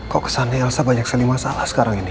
kok kesannya elsa banyak sekali masalah sekarang ini